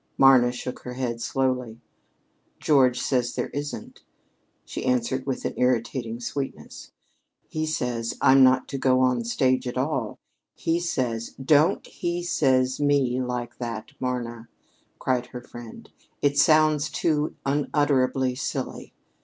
Marna shook her head slowly. "George says there isn't," she answered with an irritating sweetness. "He says I'm not to go on the stage at all. He says " "Don't 'he says' me like that, Marna," cried her friend. "It sounds too unutterably silly.